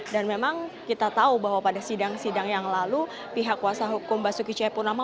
memang kita tahu bahwa pada sidang sidang yang lalu pihak kuasa hukum basuki cepurnama